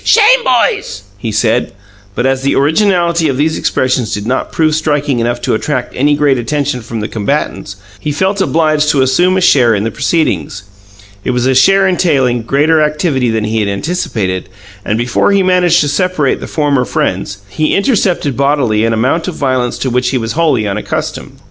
Shame, boys!" he said; but, as the originality of these expressions did not prove striking enough to attract any great attention from the combatants, he felt obliged to assume a share in the proceedings. It was a share entailing greater activity than he had anticipated, and, before he managed to separate the former friends, he intercepted bodily an amount of violence to which he was wholly unaccustomed.